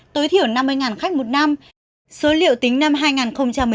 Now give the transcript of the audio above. tối thiểu năm mươi khách một năm số liệu tính năm hai nghìn một mươi chín